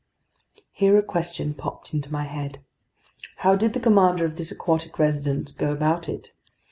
Here a question popped into my head. How did the commander of this aquatic residence go about it?